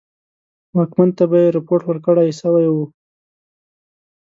واکمن ته به یې رپوټ ورکړه سوی وو.